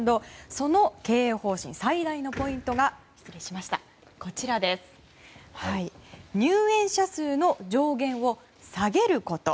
その経営方針最大のポイントが入園者数の上限を下げること。